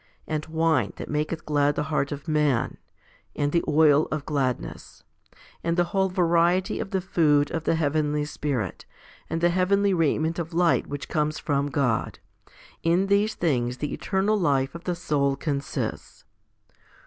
and wine that maketh glad the heart of man* and the oil of gladness , 5 and the whole variety of the food of the heavenly Spirit, and the heavenly raiment of light which comes from God. In these things the eternal life of the soul consists.